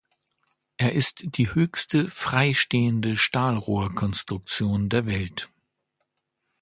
Er ist die höchste freistehende Stahlrohrkonstruktion der Welt.